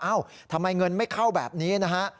ทำไมเงินไม่เข้าแบบนี้นะฮะ